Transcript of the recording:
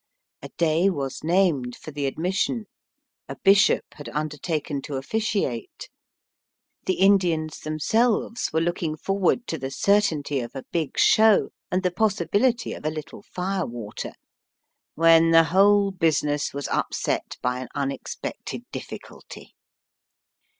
A day was named for the admission ; a bishop had undertaken to officiate ; the Indians them selves were looking forward to the certainty of a big show, and the possibiUty of a little fire water, when the whole business was upset by an unexpected difficulty.